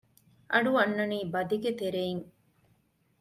އަޑުއަންނަނީ ބަދިގެ ތެރެއިން